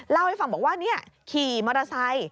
เล่าให้ฟังบอกว่าขี่มอเตอร์ไซค์